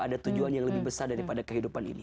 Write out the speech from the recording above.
ada tujuan yang lebih besar daripada kehidupan ini